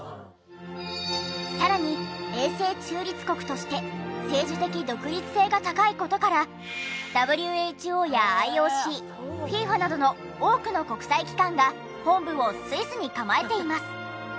さらに永世中立国として政治的独立性が高い事からＷＨＯやＩＯＣＦＩＦＡなどの多くの国際機関が本部をスイスに構えています。